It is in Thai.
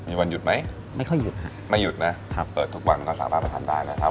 มีวันหยุดไหมไม่ค่อยหยุดฮะไม่หยุดนะครับเปิดทุกวันก็สามารถไปทานได้นะครับ